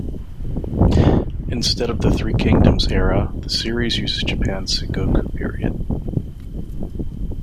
Instead of the Three Kingdoms era, the series uses Japan's Sengoku period.